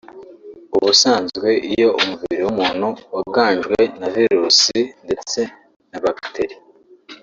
Ubusanzwe iyo umubiri w’umuntu waganjwe na za virus ndetse na bacterie